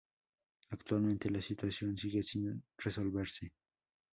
Actualmente la situación sigue sin resolverse.